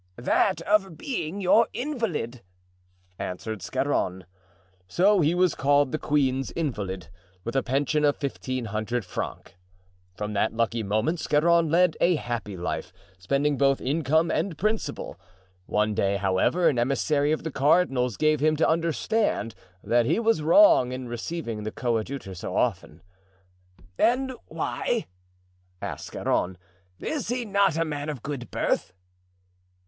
"That of being your invalid," answered Scarron. So he was called the queen's invalid, with a pension of fifteen hundred francs. From that lucky moment Scarron led a happy life, spending both income and principal. One day, however, an emissary of the cardinal's gave him to understand that he was wrong in receiving the coadjutor so often. "And why?" asked Scarron; "is he not a man of good birth?"